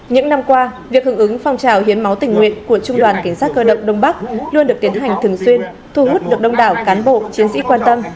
những năm qua việc hưởng ứng phong trào hiến máu tình nguyện của trung đoàn cảnh sát cơ động đông bắc luôn được tiến hành thường xuyên thu hút được đông đảo cán bộ chiến sĩ quan tâm